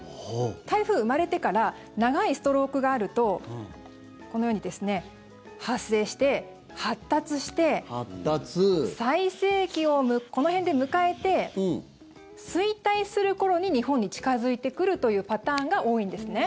台風、生まれてから長いストロークがあるとこのように発生して、発達して最盛期をこの辺で迎えて衰退する頃に日本に近付いてくるというパターンが多いんですね。